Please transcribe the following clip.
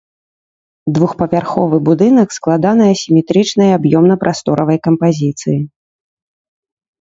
Двухпавярховы будынак складанай асіметрычнай аб'ёмна-прасторавай кампазіцыі.